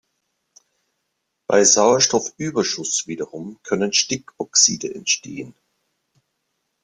Bei Sauerstoffüberschuss wiederum können Stickoxide entstehen.